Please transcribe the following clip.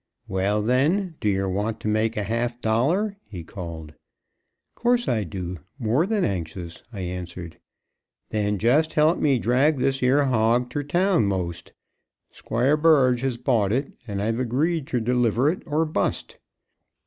"Well, then, do yer want to make a half dollar?" he called. "Course I do more than anxious," I answered. "Then jes' help me drag this 'ere hog ter town most; Squire Birge has bought it, and I've agreed ter deliver it or bust."